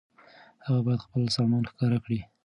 هغه بايد خپل سامان ښکاره کړي.